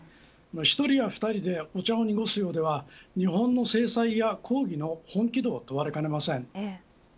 １人や２人でお茶を濁すようでは日本の制裁や抗議の本気度を問われかねません。